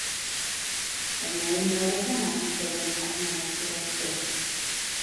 Baina une horretan argi zegoen asmo maltzurra zutela.